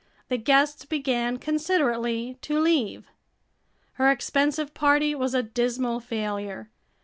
The guests began considerately to leave. Her expensive party was a dismal failure.